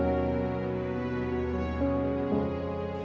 รีสอบนู๋น่าเพิ่มรู้สึก